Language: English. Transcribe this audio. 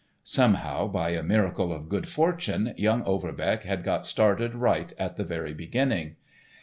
Somehow, by a miracle of good fortune, young Overbeck had got started right at the very beginning.